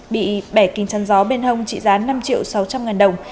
bị bẻ kính chăn gió bên hông trị giá năm triệu sáu trăm linh ngàn đồng